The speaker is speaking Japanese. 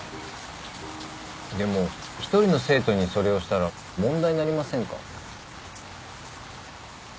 でも１人の生徒にそれをしたら問題になりませんか？